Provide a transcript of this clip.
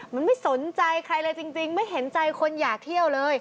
มันไม่สนใจใครเลยจริงไม่เห็นใจคนอยากเที่ยวเลย